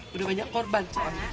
sudah banyak korban